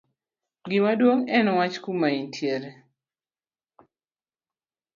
gimaduong' en wacho kuma intiere